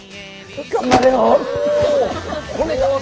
頑張れよ！